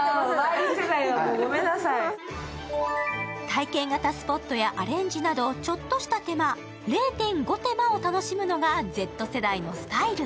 体験型スポットやアレンジなどちょっとした手間、０．５手間を楽しむのがＺ世代のスタイル。